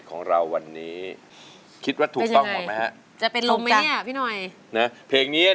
ขอล้าง